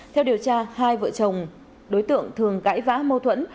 theo điều tra hai vợ chồng đối tượng thường cãi vã mâu thuẫn